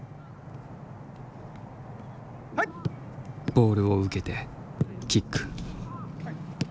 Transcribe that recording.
ボールを受けてキック。